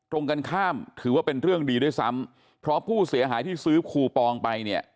ตรงกันข้ามถือว่าเป็นเรื่องดีด้วยซ้ำเพราะผู้เสียหายที่ซื้อคูปองไปเนี่ย